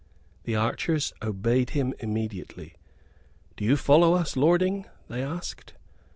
The archers obeyed him immediately, "Do you follow us, lording?" they asked.